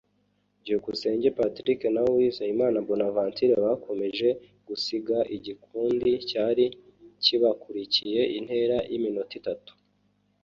Byukusenge Patrick na Uwizeyimana Bonaventure bakomeje gusiga igikundi cyari kibakurikiye intera y’iminota itatu